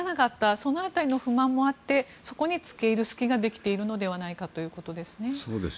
その辺りの不満もあってそこに付け入る隙ができているのではないかということです。